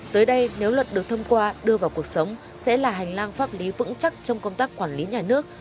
tới đây nếu luật được thông qua đưa vào cuộc sống sẽ là hành lang pháp lý vững chắc trong công tác quản lý nhà nước